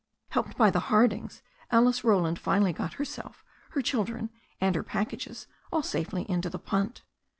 Helped by the Hardings, Alice Roland finally got herself, her children, and her packages all safely into the punt.